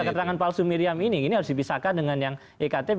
keterangan palsu miriam ini ini harus dipisahkan dengan yang ektp